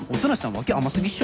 脇甘過ぎっしょ。